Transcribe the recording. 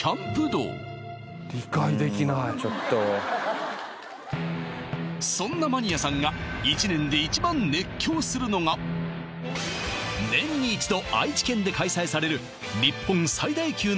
うんちょっとそんなマニアさんが一年で一番熱狂するのが年に一度愛知県で開催されるがずらり